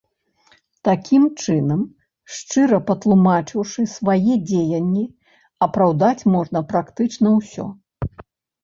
Такім чынам, шчыра патлумачыўшы свае дзеянні, апраўдаць можна практычна ўсё.